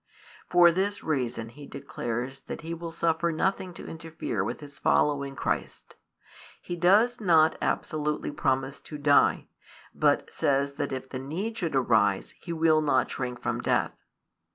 For this reason he declares that he will suffer nothing to interfere with his following Christ: he does not absolutely promise to die, but says that if the need should arise he will not shrink from death.